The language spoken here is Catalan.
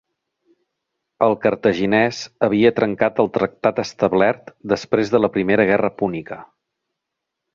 El cartaginès havia trencat el tractat establert després de la Primera Guerra Púnica.